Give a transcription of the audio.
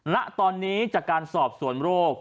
ณตอนนี้จากการสอบสวนโรค